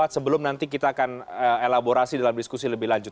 sebelum nanti kita akan elaborasi dalam diskusi lebih lanjut